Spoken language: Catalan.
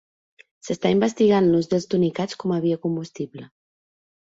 S'està investigant l'ús dels tunicats com a biocombustible.